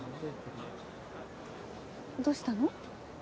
どうしたの？